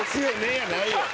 やないよ。